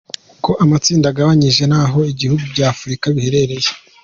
Uko amatsinda agabanyije n’aho ibihugu bya Afurika biherereye